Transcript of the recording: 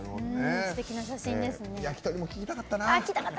すてきな写真ですね。